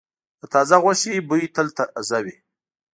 د تازه غوښې بوی تل تازه وي.